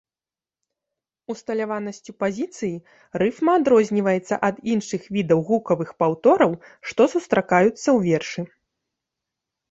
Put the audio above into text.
Усталяванасцю пазіцыі рыфма адрозніваецца ад іншых відаў гукавых паўтораў, што сустракаюцца ў вершы.